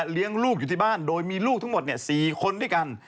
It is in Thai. ลูกอยู่ที่บ้านโดยมีลูกทั้งหมด๔คนด้วยกัน